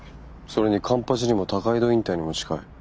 それに環八にも高井戸インターにも近い。